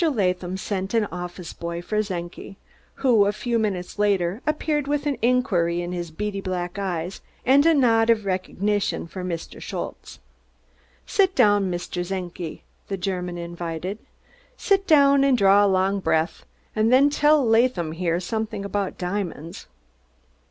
Latham sent an office boy for Czenki, who a few minutes later appeared with an inquiry in his beady black eyes and a nod of recognition for Mr. Schultze. "Sid down, Mr. Czenki," the German invited. "Sid down und draw a long breath, und den dell Mr. Laadham here someding aboud diamonds."